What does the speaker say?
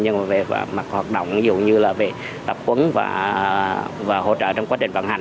nhưng mà về mặt hoạt động dụ như là về tập quấn và hỗ trợ trong quá trình vận hành